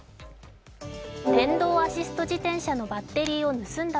電動アシスト自転車のバッテリーを盗んだ